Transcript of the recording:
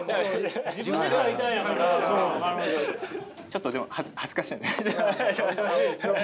ちょっとでも恥ずかしい。